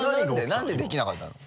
何でできなかったの？